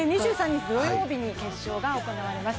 ２３日土曜日に決勝が行われます。